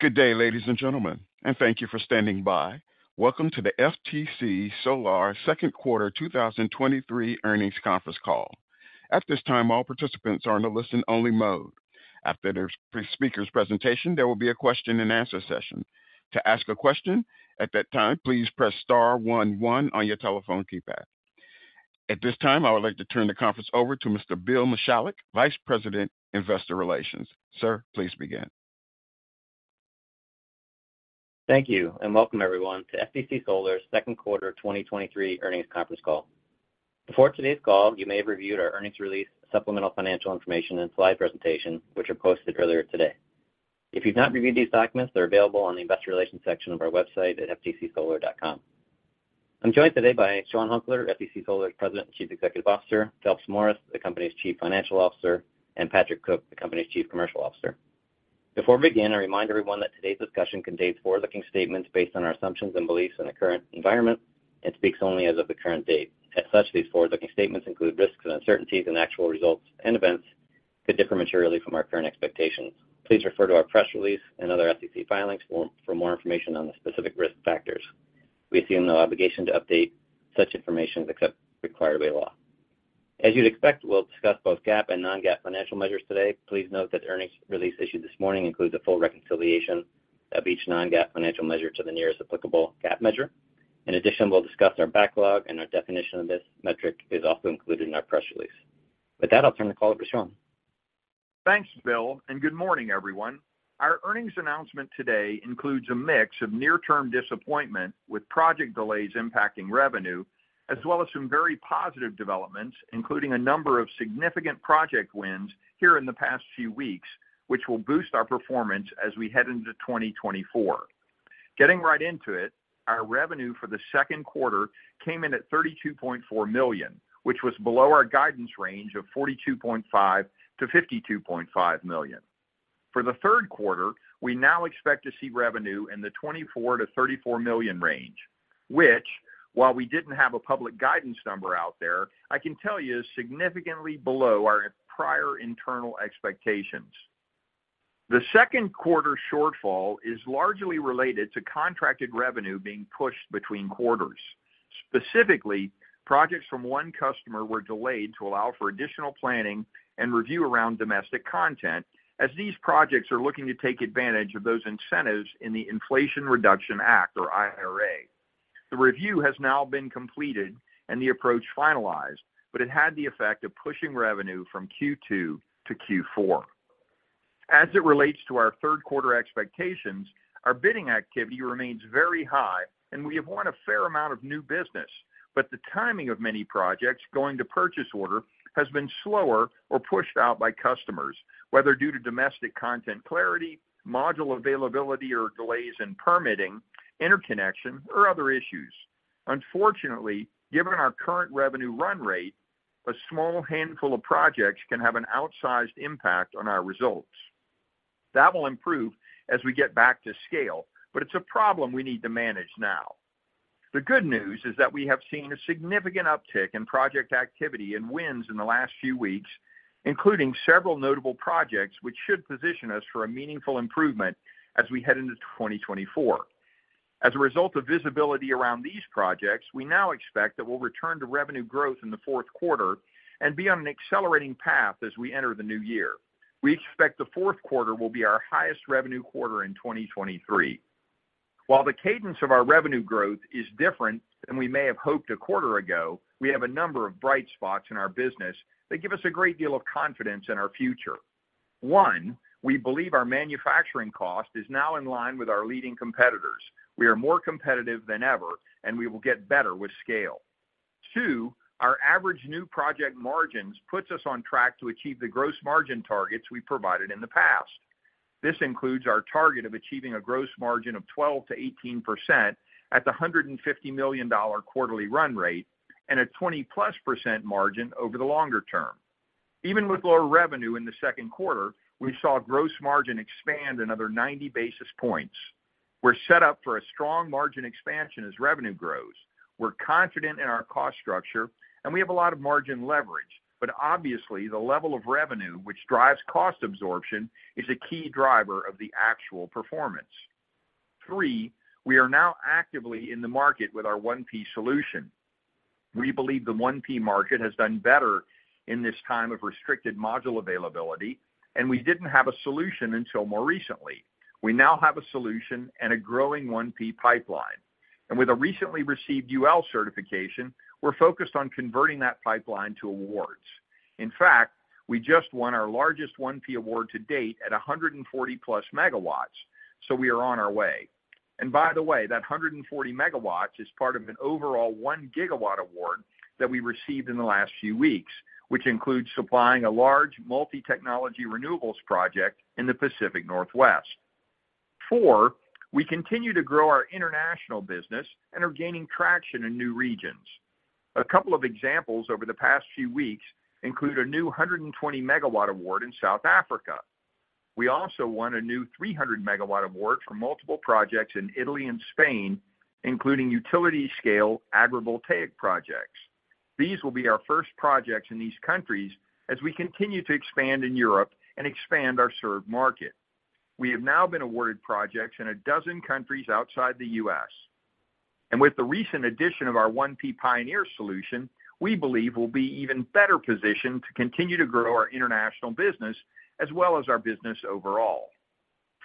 Good day, ladies and gentlemen, and thank you for standing by. Welcome to the FTC Solar second quarter 2023 earnings conference call. At this time, all participants are in a listen-only mode. After the speaker's presentation, there will be a question-and-answer session. To ask a question at that time, please press star one one on your telephone keypad. At this time, I would like to turn the conference over to Mr. Bill Michalek, Vice President, Investor Relations. Sir, please begin. Thank you, welcome everyone to FTC Solar's second quarter 2023 earnings conference call. Before today's call, you may have reviewed our earnings release, supplemental financial information, and slide presentation, which were posted earlier today. If you've not reviewed these documents, they're available on the investor relations section of our website at ftcsolar.com. I'm joined today by Sean Hunkler, FTC Solar's President and Chief Executive Officer, Phelps Morris, the company's Chief Financial Officer, and Patrick Cook, the company's Chief Commercial Officer. Before we begin, I remind everyone that today's discussion contains forward-looking statements based on our assumptions and beliefs in the current environment and speaks only as of the current date. As such, these forward-looking statements include risks and uncertainties, and actual results and events could differ materially from our current expectations. Please refer to our press release and other SEC filings for more information on the specific risk factors. We assume no obligation to update such information except required by law. As you'd expect, we'll discuss both GAAP and non-GAAP financial measures today. Please note that earnings release issued this morning includes a full reconciliation of each non-GAAP financial measure to the nearest applicable GAAP measure. In addition, we'll discuss our backlog, and our definition of this metric is also included in our press release. With that, I'll turn the call over to Sean. Thanks, Bill. Good morning, everyone. Our earnings announcement today includes a mix of near-term disappointment with project delays impacting revenue, as well as some very positive developments, including a number of significant project wins here in the past few weeks, which will boost our performance as we head into 2024. Getting right into it, our revenue for the second quarter came in at $32.4 million, which was below our guidance range of $42.5 million-$52.5 million. For the third quarter, we now expect to see revenue in the $24 million-$34 million range, which, while we didn't have a public guidance number out there, I can tell you is significantly below our prior internal expectations. The second quarter shortfall is largely related to contracted revenue being pushed between quarters. Specifically, projects from one customer were delayed to allow for additional planning and review around domestic content, as these projects are looking to take advantage of those incentives in the Inflation Reduction Act, or IRA. The review has now been completed and the approach finalized, but it had the effect of pushing revenue from Q2 to Q4. As it relates to our third quarter expectations, our bidding activity remains very high, and we have won a fair amount of new business, but the timing of many projects going to purchase order has been slower or pushed out by customers, whether due to domestic content clarity, module availability, or delays in permitting, interconnection, or other issues. Unfortunately, given our current revenue run rate, a small handful of projects can have an outsized impact on our results. That will improve as we get back to scale, but it's a problem we need to manage now. The good news is that we have seen a significant uptick in project activity and wins in the last few weeks, including several notable projects, which should position us for a meaningful improvement as we head into 2024. As a result of visibility around these projects, we now expect that we'll return to revenue growth in the fourth quarter and be on an accelerating path as we enter the new year. We expect the fourth quarter will be our highest revenue quarter in 2023. While the cadence of our revenue growth is different than we may have hoped a quarter ago, we have a number of bright spots in our business that give us a great deal of confidence in our future. 1, we believe our manufacturing cost is now in line with our leading competitors. We are more competitive than ever, and we will get better with scale. 2, our average new project margins puts us on track to achieve the gross margin targets we provided in the past. This includes our target of achieving a gross margin of 12%-18% at the $150 million quarterly run rate and a 20%+ margin over the longer term. Even with lower revenue in the second quarter, we saw gross margin expand another 90 basis points. We're set up for a strong margin expansion as revenue grows. We're confident in our cost structure, and we have a lot of margin leverage, but obviously, the level of revenue, which drives cost absorption, is a key driver of the actual performance. Three. We are now actively in the market with our 1P solution. We believe the 1P market has done better in this time of restricted module availability. We didn't have a solution until more recently. We now have a solution and a growing 1P pipeline. With a recently received UL certification, we're focused on converting that pipeline to awards. In fact, we just won our largest 1P award to date at 140+ MW, so we are on our way. By the way, that 140 MW is part of an overall 1 GW award that we received in the last few weeks, which includes supplying a large multi-technology renewables project in the Pacific Northwest. 4, we continue to grow our international business and are gaining traction in new regions. A couple of examples over the past few weeks include a new 120 MW award in South Africa. We also won a new 300 MW award for multiple projects in Italy and Spain, including utility-scale agrivoltaic projects. These will be our first projects in these countries as we continue to expand in Europe and expand our served market. We have now been awarded projects in 12 countries outside the US. With the recent addition of our 1P Pioneer solution, we believe we'll be even better positioned to continue to grow our international business as well as our business overall.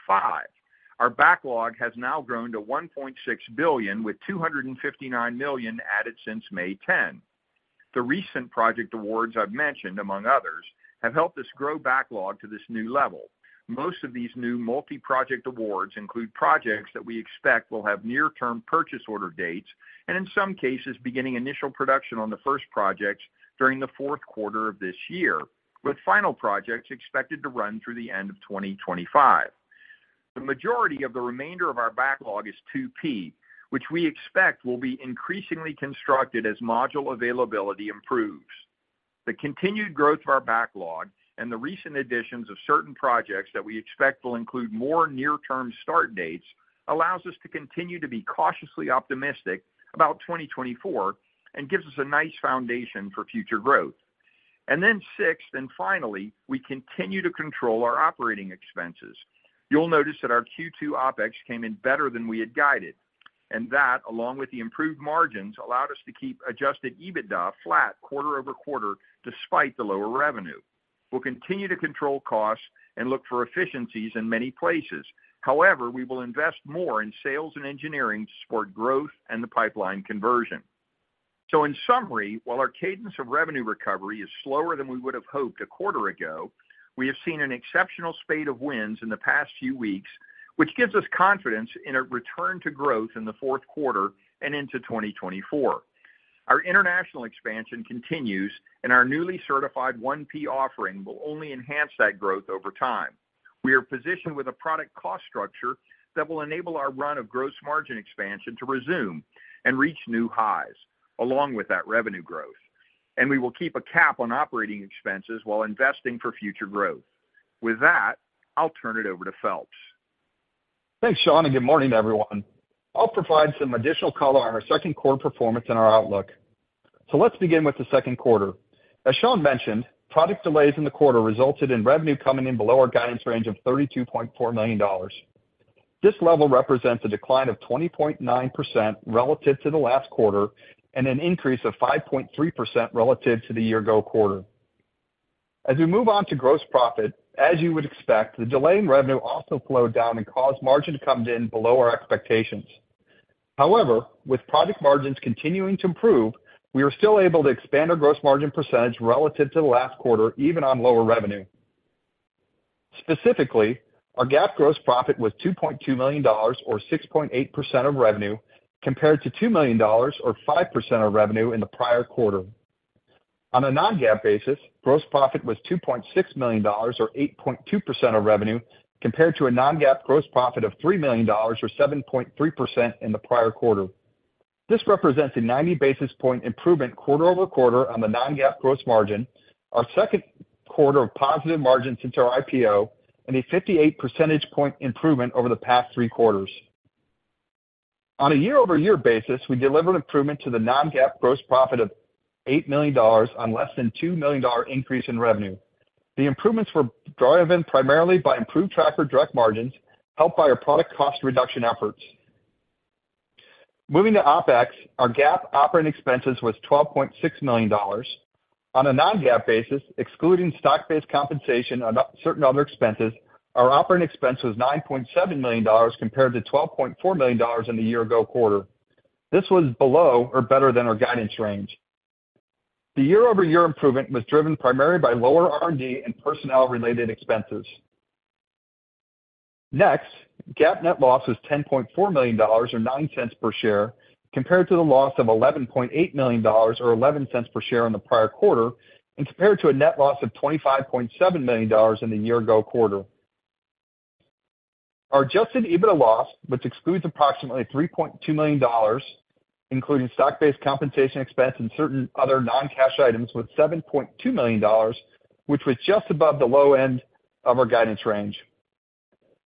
Five, our backlog has now grown to $1.6 billion, with $259 million added since May 10. The recent project awards I've mentioned, among others, have helped us grow backlog to this new level. Most of these new multi-project awards include projects that we expect will have near term purchase order dates, and in some cases, beginning initial production on the first projects during the fourth quarter of this year, with final projects expected to run through the end of 2025. The majority of the remainder of our backlog is 2P, which we expect will be increasingly constructed as module availability improves. The continued growth of our backlog and the recent additions of certain projects that we expect will include more near-term start dates, allows us to continue to be cautiously optimistic about 2024 and gives us a nice foundation for future growth. Then sixth, and finally, we continue to control our operating expenses. You'll notice that our Q2 OpEx came in better than we had guided, and that, along with the improved margins, allowed us to keep Adjusted EBITDA flat quarter-over-quarter, despite the lower revenue. We'll continue to control costs and look for efficiencies in many places. However, we will invest more in sales and engineering to support growth and the pipeline conversion. In summary, while our cadence of revenue recovery is slower than we would have hoped a quarter ago, we have seen an exceptional spate of wins in the past few weeks, which gives us confidence in a return to growth in the fourth quarter and into 2024. Our international expansion continues, and our newly certified 1P offering will only enhance that growth over time. We are positioned with a product cost structure that will enable our run of gross margin expansion to resume and reach new highs, along with that revenue growth, and we will keep a cap on operating expenses while investing for future growth. With that, I'll turn it over to Phelps. Thanks, Sean, good morning, everyone. I'll provide some additional color on our second quarter performance and our outlook. Let's begin with the second quarter. As Sean mentioned, product delays in the quarter resulted in revenue coming in below our guidance range of $32.4 million. This level represents a decline of 20.9% relative to the last quarter and an increase of 5.3% relative to the year-ago quarter. As we move on to gross profit, as you would expect, the delay in revenue also flowed down and caused margin to come in below our expectations. However, with project margins continuing to improve, we are still able to expand our gross margin percentage relative to the last quarter, even on lower revenue. Specifically, our GAAP gross profit was $2.2 million, or 6.8% of revenue, compared to $2 million or 5% of revenue in the prior quarter. On a non-GAAP basis, gross profit was $2.6 million, or 8.2% of revenue, compared to a non-GAAP gross profit of $3 million, or 7.3% in the prior quarter. This represents a 90 basis point improvement quarter-over-quarter on the non-GAAP gross margin, our second quarter of positive margins since our IPO, and a 58 percentage point improvement over the past 3 quarters. On a year-over-year basis, we delivered improvement to the non-GAAP gross profit of $8 million on less than $2 million increase in revenue. The improvements were driven primarily by improved tracker direct margins, helped by our product cost reduction efforts. Moving to OpEx, our GAAP operating expenses was $12.6 million. On a non-GAAP basis, excluding stock-based compensation on certain other expenses, our operating expense was $9.7 million, compared to $12.4 million in the year-ago quarter. This was below or better than our guidance range. The year-over-year improvement was driven primarily by lower R&D and personnel related expenses. Next, GAAP net loss was $10.4 million, or $0.09 per share, compared to the loss of $11.8 million, or $0.11 per share in the prior quarter, and compared to a net loss of $25.7 million in the year-ago quarter. Our Adjusted EBITDA loss, which excludes approximately $3.2 million, including stock-based compensation expense and certain other non-cash items, was $7.2 million, which was just above the low end of our guidance range.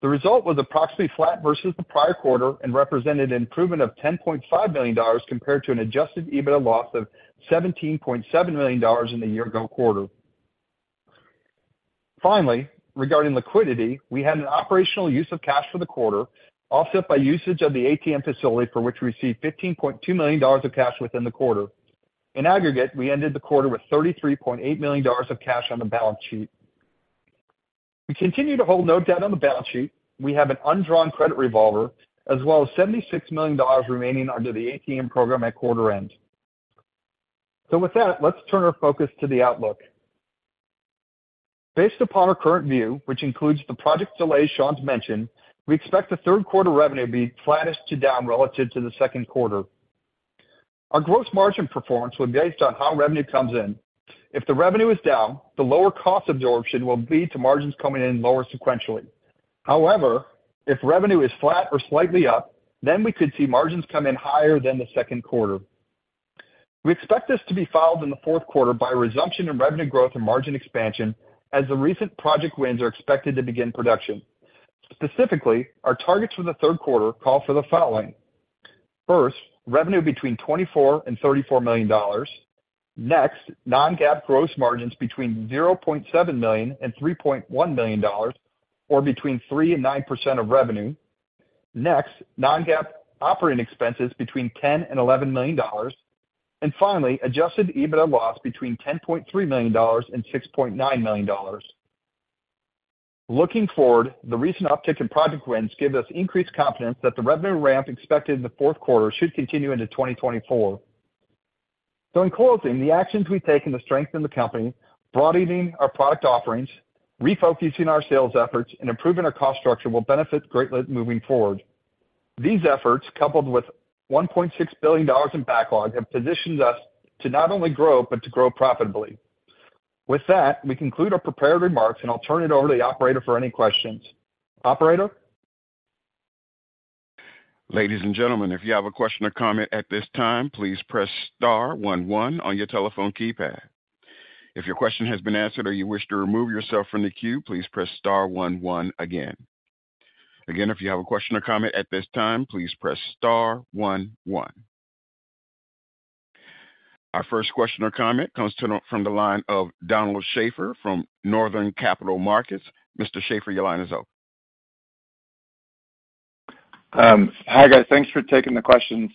The result was approximately flat versus the prior quarter and represented an improvement of $10.5 million compared to an Adjusted EBITDA loss of $17.7 million in the year ago quarter. Finally, regarding liquidity, we had an operational use of cash for the quarter, offset by usage of the ATM facility, for which we received $15.2 million of cash within the quarter. In aggregate, we ended the quarter with $33.8 million of cash on the balance sheet. We continue to hold no debt on the balance sheet. We have an undrawn credit revolver as well as $76 million remaining under the ATM program at quarter end. With that, let's turn our focus to the outlook. Based upon our current view, which includes the project delays Sean's mentioned, we expect the third quarter revenue to be flattest to down relative to the second quarter. Our gross margin performance will be based on how revenue comes in. If the revenue is down, the lower cost absorption will lead to margins coming in lower sequentially. However, if revenue is flat or slightly up, then we could see margins come in higher than the second quarter. We expect this to be followed in the fourth quarter by a resumption in revenue growth and margin expansion as the recent project wins are expected to begin production. Specifically, our targets for the third quarter call for the following: first, revenue between $24 million and $34 million. Next, non-GAAP gross margins between $0.7 million and $3.1 million, or between 3% and 9% of revenue. Next, non-GAAP operating expenses between $10 million and $11 million. Finally, Adjusted EBITDA loss between $10.3 million and $6.9 million. Looking forward, the recent uptick in project wins give us increased confidence that the revenue ramp expected in the fourth quarter should continue into 2024. In closing, the actions we've taken to strengthen the company, broadening our product offerings, refocusing our sales efforts, and improving our cost structure will benefit greatly moving forward. These efforts, coupled with $1.6 billion in backlog, have positioned us to not only grow, but to grow profitably. With that, we conclude our prepared remarks, and I'll turn it over to the operator for any questions. Operator? Ladies and gentlemen, if you have a question or comment at this time, please press star one one on your telephone keypad. If your question has been answered or you wish to remove yourself from the queue, please press star one one again. Again, if you have a question or comment at this time, please press star one one. Our first question or comment comes from the line of Donovan Schafer from Northland Capital Markets. Mr. Schafer, your line is open. Hi, guys. Thanks for taking the questions.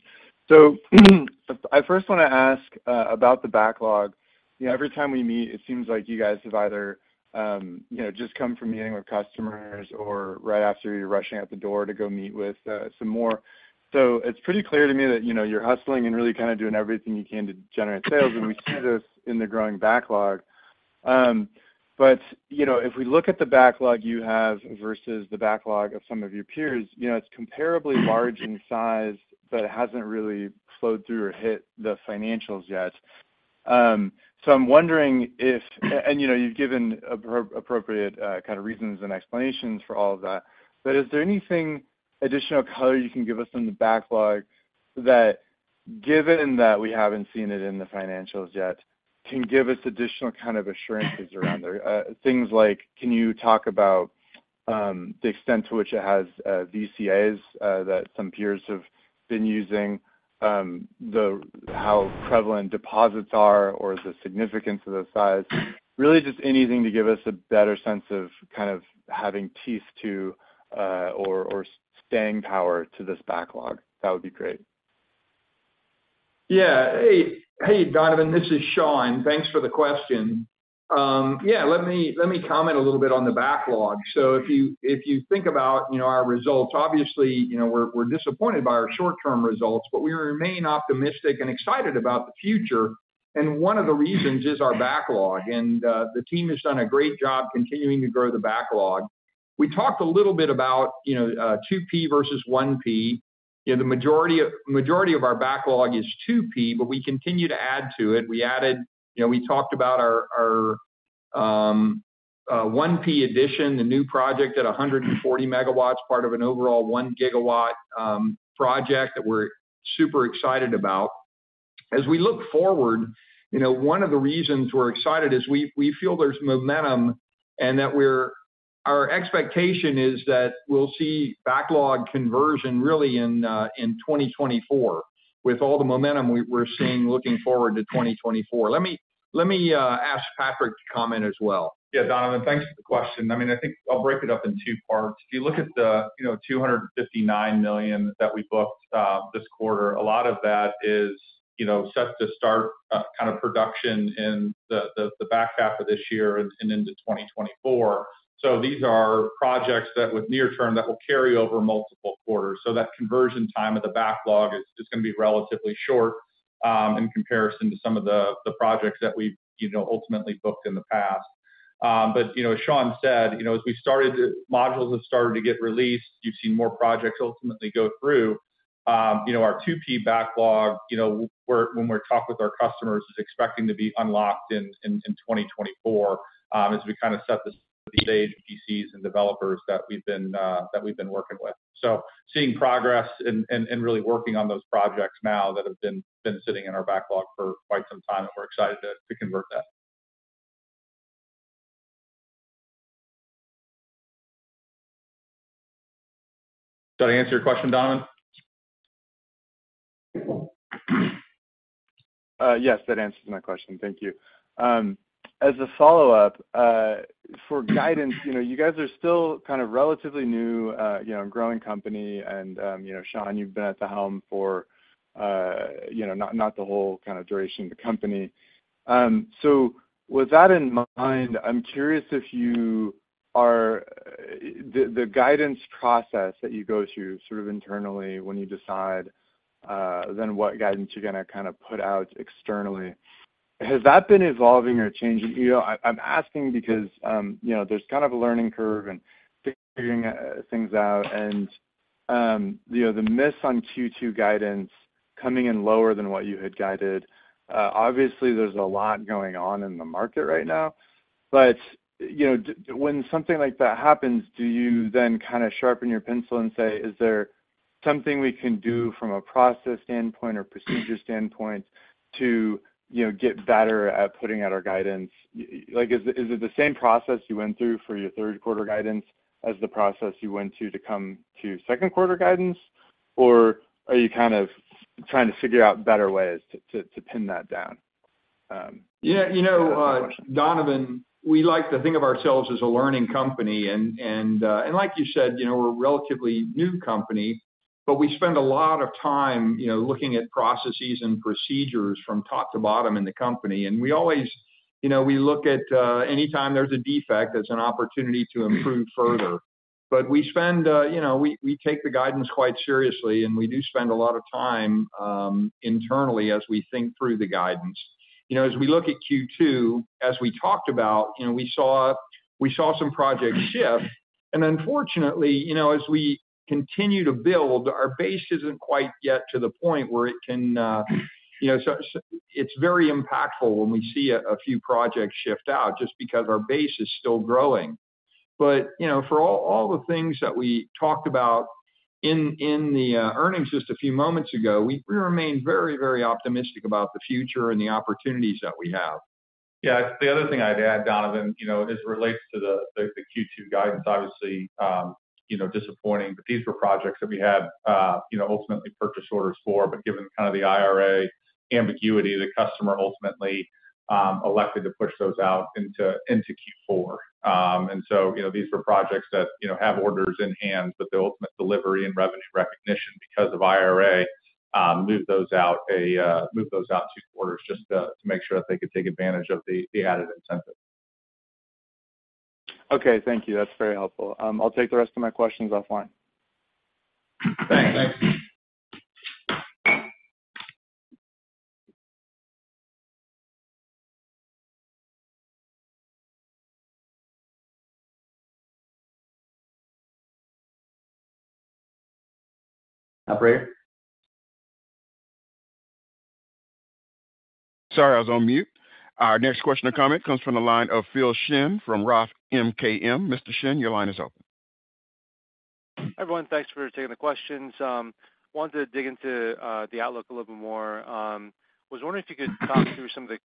I first want to ask about the backlog. You know, every time we meet, it seems like you guys have either, you know, just come from meeting with customers or right after you're rushing out the door to go meet with some more. It's pretty clear to me that, you know, you're hustling and really kind of doing everything you can to generate sales, and we see this in the growing backlog. You know, if we look at the backlog you have versus the backlog of some of your peers, you know, it's comparably large in size, but it hasn't really flowed through or hit the financials yet. I'm wondering if You know, you've given appropriate kind of reasons and explanations for all of that, but is there anything, additional color you can give us on the backlog that, given that we haven't seen it in the financials yet, can give us additional kind of assurances around there? Things like, can you talk about the extent to which it has VCAs that some peers have been using, how prevalent deposits are or the significance of the size? Really, just anything to give us a better sense of kind of having teeth to, or, or staying power to this backlog. That would be great. Yeah. Hey, hey, Donovan, this is Sean. Thanks for the question. Yeah, let me, let me comment a little bit on the backlog. If you, if you think about, you know, our results, obviously, you know, we're, we're disappointed by our short-term results, but we remain optimistic and excited about the future, and one of the reasons is our backlog, and, the team has done a great job continuing to grow the backlog. We talked a little bit about, you know, 2P versus 1P. You know, the majority of, majority of our backlog is 2P, but we continue to add to it. We added... You know, we talked about our, our, 1P addition, the new project at 140 MW, part of an overall 1 GW project that we're super excited about. As we look forward, you know, one of the reasons we're excited is we, we feel there's momentum and that our expectation is that we'll see backlog conversion really in 2024, with all the momentum we're seeing looking forward to 2024. Let me, let me ask Patrick to comment as well. Yeah, Donovan, thanks for the question. I mean, I think I'll break it up in two parts. If you look at the $259 million that we booked this quarter, a lot of that is set to start kind of production in the back half of this year and into 2024. These are projects that with near term, that will carry over multiple quarters. That conversion time of the backlog is gonna be relatively short in comparison to some of the projects that we've ultimately booked in the past. As Sean said, modules have started to get released, you've seen more projects ultimately go through. you know, our 2P backlog, you know, when we talk with our customers, is expecting to be unlocked in, in, in 2024, as we kind of set the stage PCs and developers that we've been that we've been working with. Seeing progress and, and, and really working on those projects now that have been, been sitting in our backlog for quite some time. We're excited to, to convert that. Did I answer your question, Donovan? Yes, that answers my question. Thank you. As a follow-up, for guidance, you know, you guys are still kind of relatively new, you know, and growing company and, you know, Sean, you've been at the helm for, you know, not, not the whole kind of duration of the company. With that in mind, I'm curious if the guidance process that you go through sort of internally when you decide, then what guidance you're gonna kind of put out externally, has that been evolving or changing? You know, I, I'm asking because, you know, there's kind of a learning curve and figuring things out and, you know, the miss on Q2 guidance coming in lower than what you had guided. Obviously, there's a lot going on in the market right now, but, you know, when something like that happens, do you then kind of sharpen your pencil and say: Is there something we can do from a process standpoint or procedure standpoint to, you know, get better at putting out our guidance? Like, is, is it the same process you went through for your third quarter guidance as the process you went through to come to second quarter guidance? Or are you kind of trying to figure out better ways to, to, to pin that down? Yeah, you know, Donovan, we like to think of ourselves as a learning company, and like you said, you know, we're a relatively new company, but we spend a lot of time, you know, looking at processes and procedures from top to bottom in the company. You know, we look at anytime there's a defect, as an opportunity to improve further. We spend, you know, we take the guidance quite seriously, and we do spend a lot of time internally as we think through the guidance. You know, as we look at Q2, as we talked about, you know, we saw some projects shift. Unfortunately, you know, as we continue to build, our base isn't quite yet to the point where it can, you know. It's, it's very impactful when we see a, a few projects shift out, just because our base is still growing. You know, for all, all the things that we talked about in, in the earnings just a few moments ago, we, we remain very, very optimistic about the future and the opportunities that we have. Yeah, the other thing I'd add, Donovan, you know, as it relates to the, the, the Q2 guidance, obviously, you know, disappointing, but these were projects that we had, you know, ultimately purchase orders for, but given kind of the IRA ambiguity, the customer ultimately elected to push those out into, into Q4. You know, these were projects that, you know, have orders in hand, but the ultimate delivery and revenue recognition, because of IRA, moved those out a, moved those out 2 quarters just to, to make sure that they could take advantage of the, the added incentive. Okay, thank you. That's very helpful. I'll take the rest of my questions offline. Thanks. Thanks. Operator? Sorry, I was on mute. Our next question or comment comes from the line of Philip Shen from Roth MKM. Mr. Shen, your line is open. Everyone, thanks for taking the questions. wanted to dig into the outlook a little bit more. was wondering if you could talk through some of the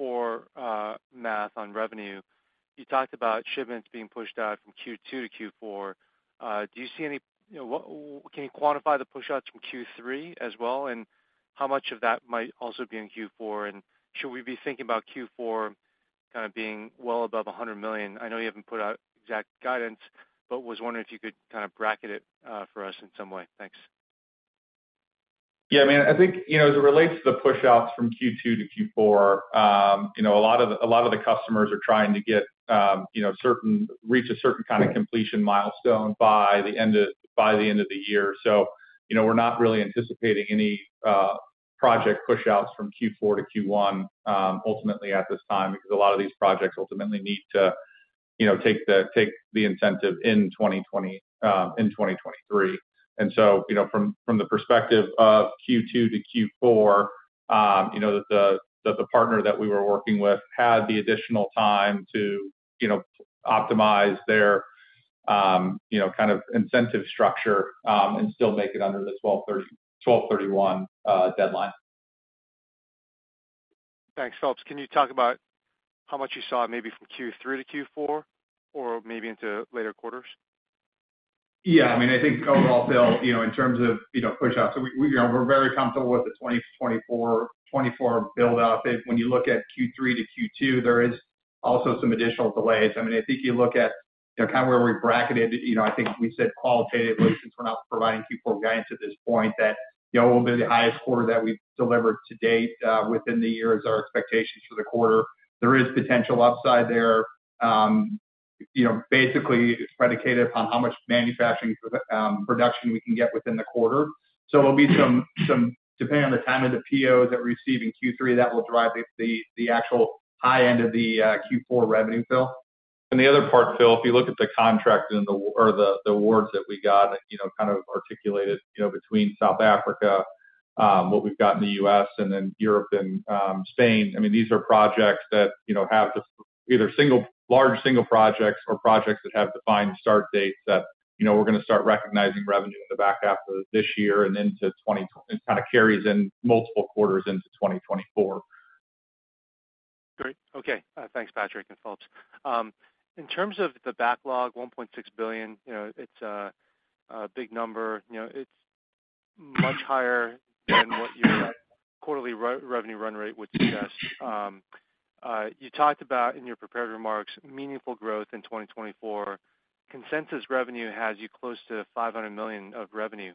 Q4 math on revenue. You talked about shipments being pushed out from Q2 to Q4. do you see any, you know, can you quantify the pushouts from Q3 as well? How much of that might also be in Q4, and should we be thinking about Q4 kind of being well above $100 million? I know you haven't put out exact guidance, but was wondering if you could kind of bracket it for us in some way. Thanks. Yeah, I mean, I think, you know, as it relates to the pushouts from Q2 to Q4, you know, a lot of, a lot of the customers are trying to get, you know, reach a certain kind of completion milestone by the end of, by the end of the year. You know, we're not really anticipating any project pushouts from Q4 to Q1, ultimately at this time, because a lot of these projects ultimately need to, you know, take the, take the incentive in 2023. You know, from, from the perspective of Q2 to Q4, you know, the, the, the partner that we were working with had the additional time to, you know, optimize their, you know, kind of incentive structure, and still make it under the 12/31 deadline. Thanks. Phelps, can you talk about how much you saw maybe from Q3 to Q4 or maybe into later quarters? Yeah, I mean, I think overall, Phil, you know, in terms of, you know, pushouts, we, you know, we're very comfortable with the 2024 build-out, that when you look at Q3 to Q2, there is also some additional delays. I mean, I think you look at, you know, kind of where we bracketed, you know, I think we said qualitatively, since we're not providing Q4 guidance at this point, that, you know, it will be the highest quarter that we've delivered to date, within the year is our expectations for the quarter. There is potential upside there. You know, basically, it's predicated upon how much manufacturing production we can get within the quarter. There'll be some. Depending on the time of the POs that we receive in Q3, that will drive the, the, the actual high end of the Q4 revenue, Phil. The other part, Phil, if you look at the contracts and the or the, the awards that we got, you know, kind of articulated, you know, between South Africa, what we've got in the US and then Europe and Spain, I mean, these are projects that, you know, have the either single-- large single projects or projects that have defined start dates that, you know, we're going to start recognizing revenue in the back half of this year and into 20, It kind of carries in multiple quarters into 2024. Great. Okay, thanks, Patrick and Phelps. In terms of the backlog, $1.6 billion, you know, it's a big number. You know, it's much higher than what your quarterly re-revenue run rate would suggest. You talked about, in your prepared remarks, meaningful growth in 2024. Consensus revenue has you close to $500 million of revenue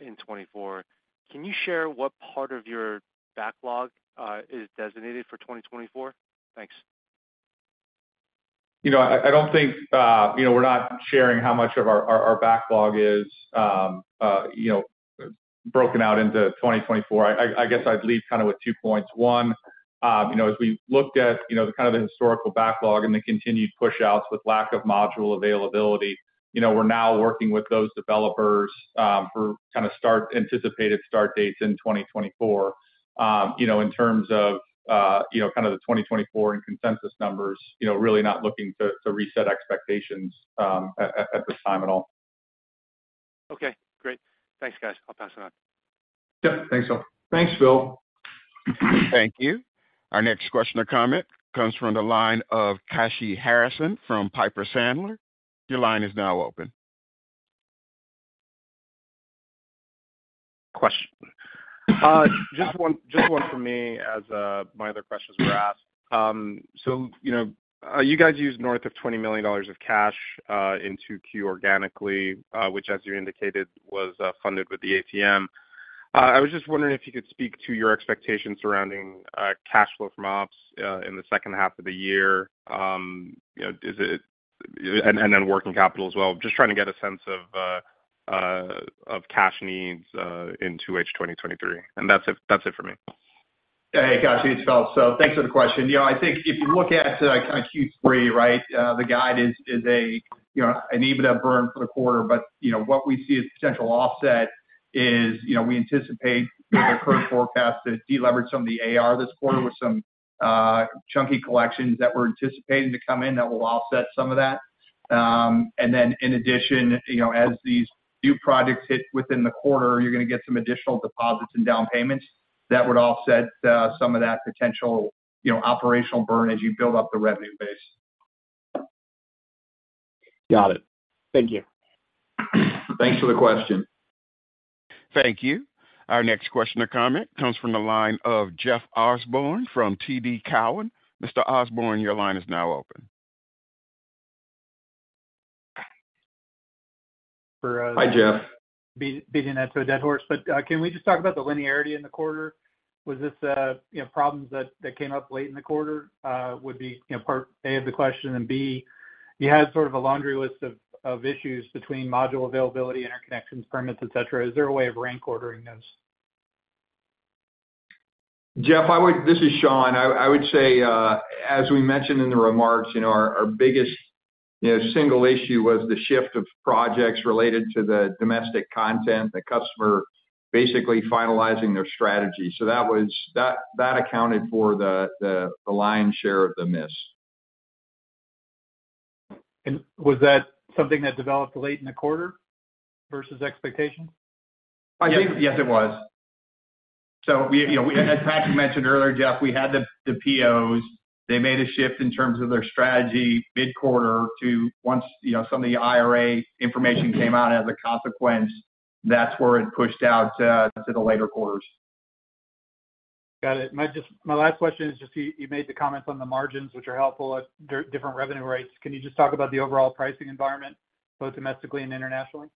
in 2024. Can you share what part of your backlog is designated for 2024? Thanks. You know, I don't think. You know, we're not sharing how much of our, our, our backlog is, you know, broken out into 2024. I guess I'd leave kind of with 2 points. One, you know, as we looked at, you know, the kind of the historical backlog and the continued pushouts with lack of module availability, you know, we're now working with those developers, for kind of anticipated start dates in 2024. You know, in terms of, you know, kind of the 2024 and consensus numbers, you know, really not looking to, to reset expectations, at this time at all. Okay, great. Thanks, guys. I'll pass it on. Yep. Thanks, Phil. Thanks, Phil. Thank you. Our next question or comment comes from the line of Kashy Harrison from Piper Sandler. Your line is now open. Question. Just one, just one for me as my other questions were asked. You know, you guys used north of $20 million of cash in 2Q organically, which, as you indicated, was funded with the ATM. I was just wondering if you could speak to your expectations surrounding cash flow from ops in the second half of the year. You know, and then working capital as well. Just trying to get a sense of cash needs in 2H 2023, and that's it, that's it for me. Hey, Kashy, it's Philip. Thanks for the question. You know, I think if you look at kind of Q3, right, the guide is, is a, you know, an EBITDA burn for the quarter, you know, what we see as potential offset is, you know, we anticipate the current forecast to delever some of the AR this quarter with some chunky collections that we're anticipating to come in that will offset some of that. Then in addition, you know, as these new projects hit within the quarter, you're gonna get some additional deposits and down payments that would offset some of that potential, you know, operational burn as you build up the revenue base. Got it. Thank you. Thanks for the question. Thank you. Our next question or comment comes from the line of Jeff Osborne from TD Cowen. Mr. Osborne, your line is now open. Hi, Jeff. Beating that to a dead horse, can we just talk about the linearity in the quarter? Was this, you know, problems that, that came up late in the quarter, would be, you know, part A of the question, B, you had sort of a laundry list of, of issues between module availability, interconnections, permits, et cetera. Is there a way of rank ordering those? Jeff, this is Sean. I would say, as we mentioned in the remarks, you know, our biggest, you know, single issue was the shift of projects related to the Domestic Content, the customer basically finalizing their strategy. That accounted for the lion's share of the miss. Was that something that developed late in the quarter versus expectation? I think, yes, it was. We, you know, as Patrick mentioned earlier, Jeff, we had the, the POs. They made a shift in terms of their strategy mid-quarter to once, you know, some of the IRA information came out as a consequence, that's where it pushed out to, to the later quarters. Got it. My last question is just, you made the comments on the margins, which are helpful at different revenue rates. Can you just talk about the overall pricing environment, both domestically and internationally?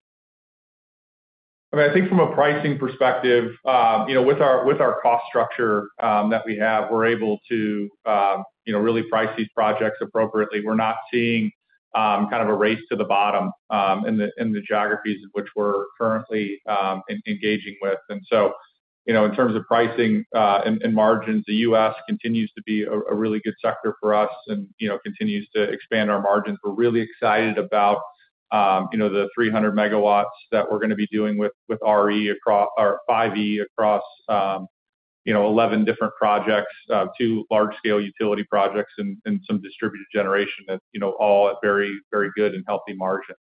I mean, I think from a pricing perspective, you know, with our, with our cost structure, that we have, we're able to, you know, really price these projects appropriately. We're not seeing, kind of a race to the bottom, in the, in the geographies in which we're currently engaging with. So, you know, in terms of pricing, and, and margins, the U.S. continues to be a, a really good sector for us and, you know, continues to expand our margins. We're really excited about, you know, the 300 MW that we're gonna be doing with, with RE across or five E across, you know, 11 different projects, two large-scale utility projects and, and some distributed generation that, you know, all at very, very good and healthy margins.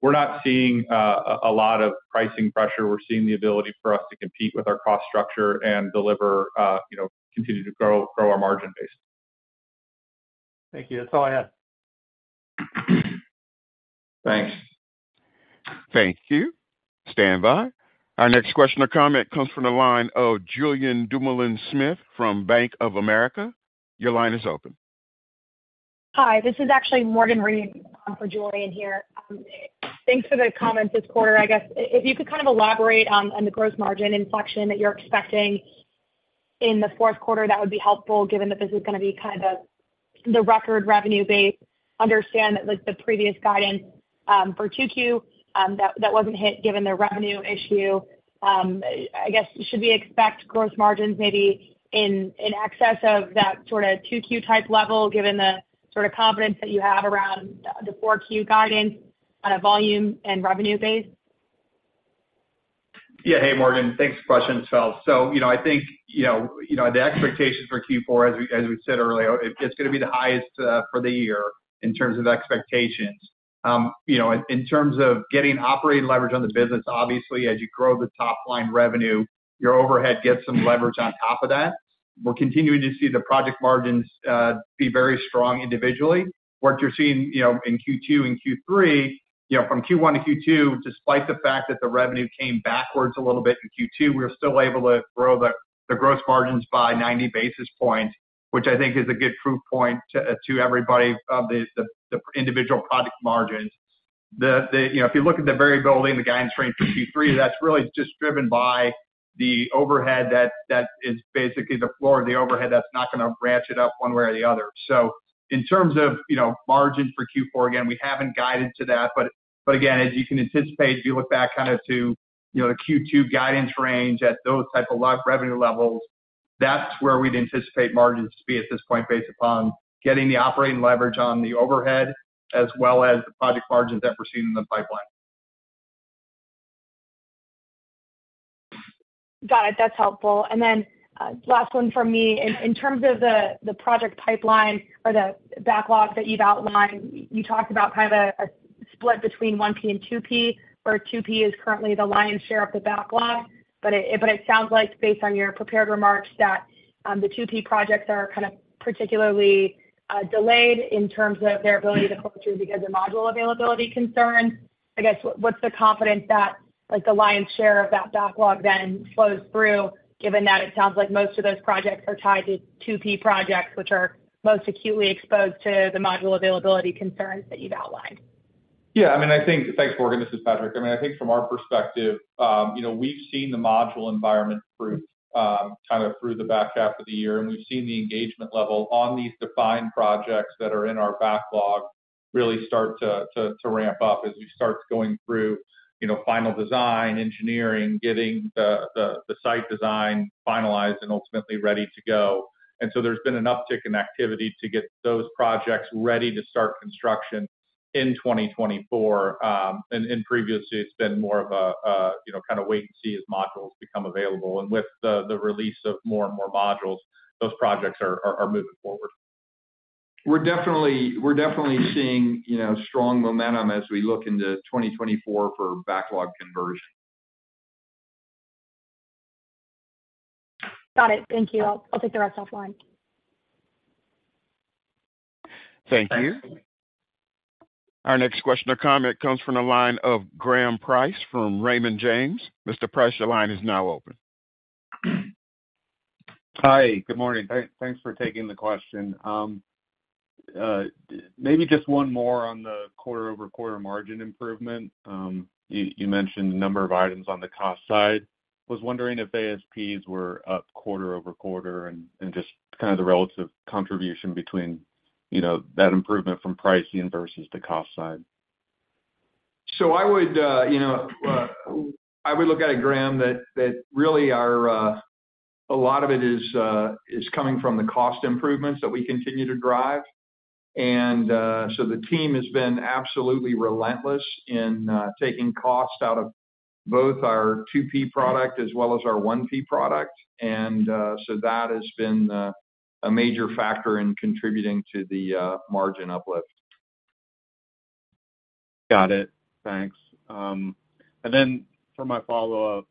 We're not seeing a lot of pricing pressure. We're seeing the ability for us to compete with our cost structure and deliver, you know, continue to grow, grow our margin base. Thank you. That's all I had. Thanks. Thank you. Stand by. Our next question or comment comes from the line of Julien Dumoulin-Smith from Bank of America. Your line is open. Hi, this is actually Morgan Reid for Julien here. Thanks for the comments this quarter. I guess if you could kind of elaborate on, on the gross margin inflection that you're expecting in the fourth quarter, that would be helpful, given that this is gonna be kind of the record revenue base. Understand that, like the previous guidance, for 2Q, that wasn't hit given the revenue issue. I guess, should we expect gross margins maybe in, in excess of that sort of 2Q type level, given the sort of confidence that you have around the 4Q guidance on a volume and revenue base? Hey, Morgan, thanks for the question as well. You know, I think, you know, the expectations for Q4, as we, as we said earlier, it's gonna be the highest for the year in terms of expectations. You know, in terms of getting operating leverage on the business, obviously, as you grow the top-line revenue, your overhead gets some leverage on top of that. We're continuing to see the project margins be very strong individually. What you're seeing, you know, in Q2 and Q3, you know, from Q1 to Q2, despite the fact that the revenue came backwards a little bit in Q2, we're still able to grow the gross margins by 90 basis points, which I think is a good proof point to everybody of the individual project margins. The you know, if you look at the variability in the guidance range for Q3, that's really just driven by the overhead that, that is basically the floor of the overhead, that's not gonna ratchet up one way or the other. In terms of, you know, margin for Q4, again, we haven't guided to that, but, but again, as you can anticipate, if you look back kind of to, you know, the Q2 guidance range at those type of revenue levels, that's where we'd anticipate margins to be at this point, based upon getting the operating leverage on the overhead, as well as the project margins that we're seeing in the pipeline. Got it. That's helpful. Last one for me. In terms of the project pipeline or the backlog that you've outlined, you talked about a split between 1P and 2P, where 2P is currently the lion's share of the backlog. But it sounds like based on your prepared remarks, that the 2P projects are particularly delayed in terms of their ability to close through because of module availability concerns. I guess, what's the confidence that, like, the lion's share of that backlog then flows through, given that it sounds like most of those projects are tied to 2P projects, which are most acutely exposed to the module availability concerns that you've outlined? Yeah, I mean, I think. Thanks, Morgan. This is Patrick. I mean, I think from our perspective, you know, we've seen the module environment through kind of through the back half of the year, and we've seen the engagement level on these defined projects that are in our backlog really start to, to, to ramp up as we start going through, you know, final design, engineering, getting the, the, the site design finalized and ultimately ready to go. So there's been an uptick in activity to get those projects ready to start construction in 2024. Previously, it's been more of a, a, you know, kind of wait and see as modules become available. With the, the release of more and more modules, those projects are, are, are moving forward. We're definitely, we're definitely seeing, you know, strong momentum as we look into 2024 for backlog conversion. Got it. Thank you. I'll, I'll take the rest offline. Thank you. Our next question or comment comes from the line of Graham Price from Raymond James. Mr. Price, your line is now open. Hi, good morning. Thank-thanks for taking the question. Maybe just one more on the quarter-over-quarter margin improvement. You, you mentioned a number of items on the cost side. Was wondering if ASPs were up quarter-over-quarter, and just kind of the relative contribution between, you know, that improvement from pricing versus the cost side. I would, you know, I would look at it, Graham, that really our. A lot of it is coming from the cost improvements that we continue to drive. The team has been absolutely relentless in taking cost out of both our 2P product as well as our 1P product. That has been a major factor in contributing to the margin uplift. Got it. Thanks. Then for my follow-up,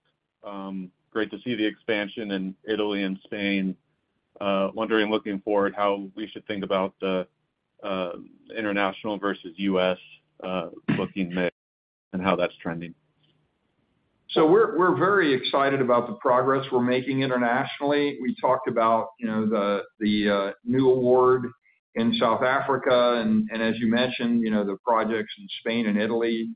great to see the expansion in Italy and Spain. Wondering, looking forward, how we should think about the international versus US booking mix and how that's trending? We're, we're very excited about the progress we're making internationally. We talked about, you know, the, the new award in South Africa, and, and as you mentioned, you know, the projects in Spain and Italy.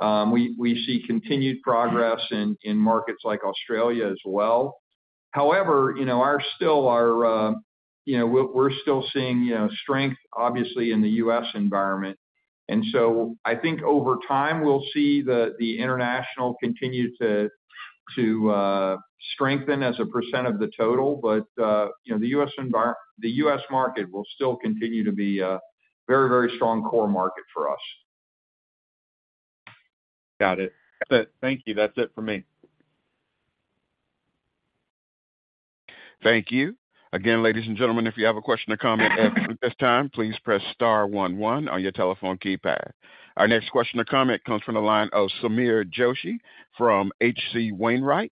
We, we see continued progress in, in markets like Australia as well. However, you know, our still our, you know, we're, we're still seeing, you know, strength, obviously, in the US environment. I think over time, we'll see the, the international continue to, to strengthen as a percent of the total. You know, the US environ-- the US market will still continue to be a very, very strong core market for us. Got it. Thank you. That's it for me. Thank you. Again, ladies and gentlemen, if you have a question or comment at this time, please press star one one on your telephone keypad. Our next question or comment comes from the line of Sameer Joshi from H.C. Wainwright.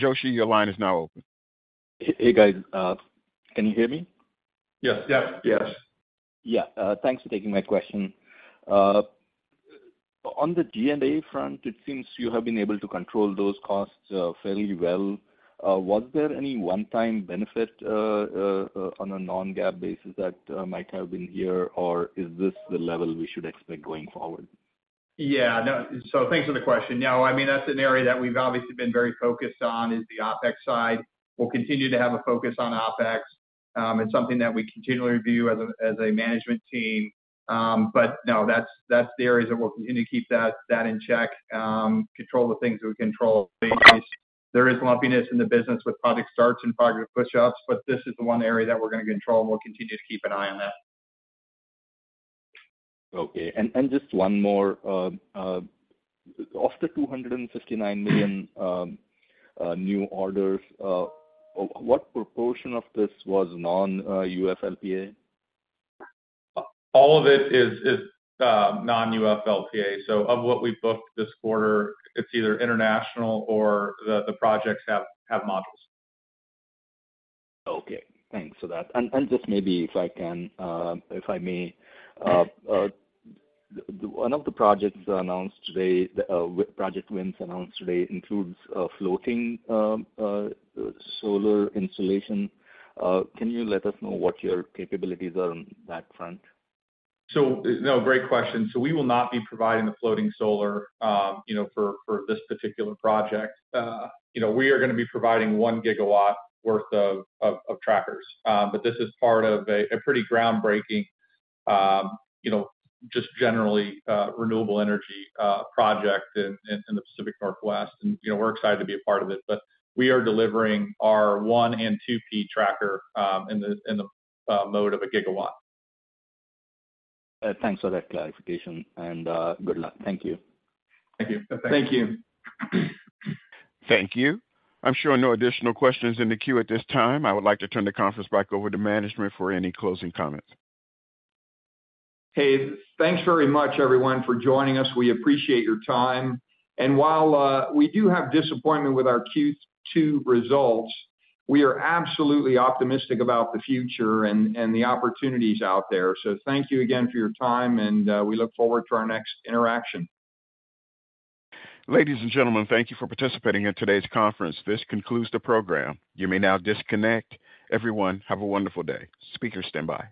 Joshi, your line is now open. Hey, guys. Can you hear me? Yes. Yeah. Yes. Yeah, thanks for taking my question. On the D&A front, it seems you have been able to control those costs, fairly well. Was there any one-time benefit, on a non-GAAP basis that, might have been here, or is this the level we should expect going forward? Yeah, no. Thanks for the question. No, I mean, that's an area that we've obviously been very focused on is the OpEx side. We'll continue to have a focus on OpEx. It's something that we continually review as a, as a management team. No, that's, that's the areas that we're going to keep that, that in check, control the things that we control day-to-day. There is lumpiness in the business with project starts and project pushups, but this is the one area that we're going to control, and we'll continue to keep an eye on that. Okay. Just one more, of the $259 million new orders, what proportion of this was non-UFLPA? All of it is, is, non-UFLPA. Of what we've booked this quarter, it's either international or the, the projects have, have modules. Okay, thanks for that. Just maybe if I can, if I may, one of the projects announced today, with project wins announced today, includes a floating solar installation. Can you let us know what your capabilities are on that front? No, great question. We will not be providing the floating solar, you know, for, for this particular project. You know, we are gonna be providing 1 GW worth of, of, of trackers. This is part of a, a pretty groundbreaking, you know, just generally, renewable energy, project in, in, in the Pacific Northwest. You know, we're excited to be a part of it, but we are delivering our 1 and 2P tracker, in the, in the, mode of 1 GW. Thanks for that clarification, and good luck. Thank you. Thank you. Thank you. Thank you. I'm showing no additional questions in the queue at this time. I would like to turn the conference back over to management for any closing comments. Hey, thanks very much, everyone, for joining us. We appreciate your time. While we do have disappointment with our Q2 results, we are absolutely optimistic about the future and, and the opportunities out there. Thank you again for your time, and we look forward to our next interaction. Ladies and gentlemen, thank you for participating in today's conference. This concludes the program. You may now disconnect. Everyone, have a wonderful day. Speakers, standby.